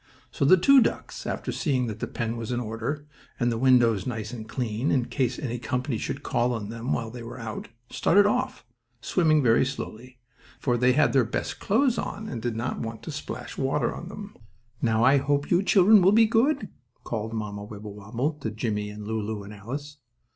So the two ducks, after seeing that the pen was in order, and the windows nice and clean, in case any company should call on them while they were out, started off, swimming very slowly, for they had their best clothes on and did not want to splash water on them. "Now, I hope you children will be good," called Mamma Wibblewobble to Jimmie and Lulu and Alice.